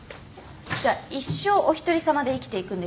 じゃあ一生お一人さまで生きていくんですか？